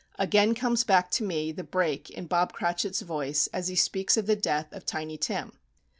Again comes back to me the break in Bob Cratchit's voice, as he speaks of the death of Tiny Tim.